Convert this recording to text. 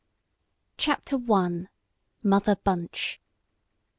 CHAPTER I. MOTHER BUNCH.